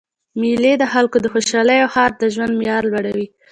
میلې د خلکو د خوشحالۍ او ښار د ژوند معیار لوړوي.